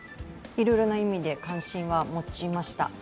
いろいろな意味で関心は持ちました。